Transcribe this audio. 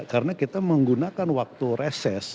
karena kita menggunakan waktu reses